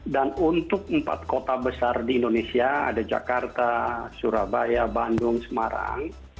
dan untuk empat kota besar di indonesia ada jakarta surabaya bandung semarang